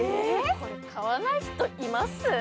買わない人、います？